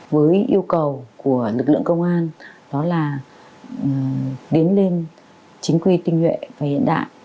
với yêu cầu của lực lượng công an đó là tiến lên chính quy tinh nhuệ và hiện đại